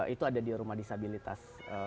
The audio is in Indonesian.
itu ada di rumah disabilitas